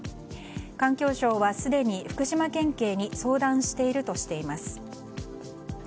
環境省は、すでに福島県警に相談しているとしています。